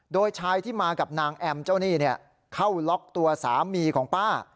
โดยชายที่มากับนางแอมเจ้าหนี้เข้าล็อกตัวสามีของป้า